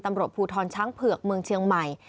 ตำรวจภูทรช้างเผือกเมืองเชียงใหม่